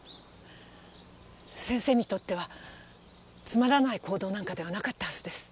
先生にとってはつまらない行動なんかではなかったはずです。